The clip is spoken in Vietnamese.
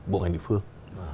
bộ ngành địa phương